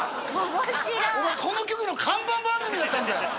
面白いこの局の看板番組だったんだよ！